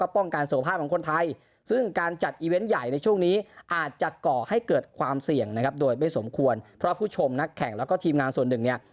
เพราะว่าผู้ชมนักแข่งแล้วก็ทีมงานส่วนหนึ่งเนี่ย